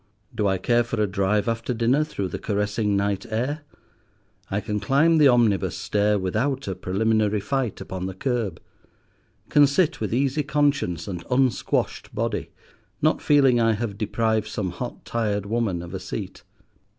Do I care for a drive after dinner through the caressing night air, I can climb the omnibus stair without a preliminary fight upon the curb, can sit with easy conscience and unsquashed body, not feeling I have deprived some hot, tired woman of a seat.